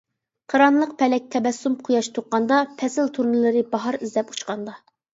قىرانلىق پەلەك تەبەسسۇم قۇياش تۇغقاندا، پەسىل تۇرنىلىرى باھار ئىزدەپ ئۇچقاندا.